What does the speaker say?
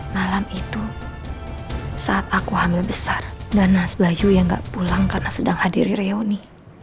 malam itu saat aku hamil besar dan mas bayu yang gak pulang karena sedang hadiri reuni